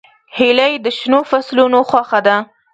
هیلۍ د شنو فصلونو خوښه ده